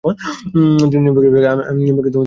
তুমি নিয়ম ভেঙে চলে এসেছ, আমি নিয়ম ভেঙে তোমাকে ধরে রাখব।